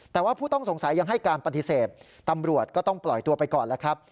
แต่ว่าผู้ต้องสงสัยยังให้การปฏิเสธตำรวจก็ต้องปล่อยตัวไปก่อนแล้วครับ